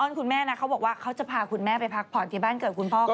คุณแม่นะเขาบอกว่าเขาจะพาคุณแม่ไปพักผ่อนที่บ้านเกิดคุณพ่อเขา